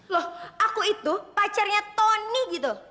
loh aku itu pacarnya tony gitu